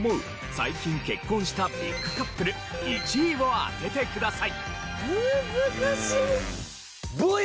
最近結婚したビッグカップル１位を当ててください。